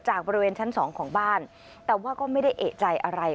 บริเวณชั้นสองของบ้านแต่ว่าก็ไม่ได้เอกใจอะไร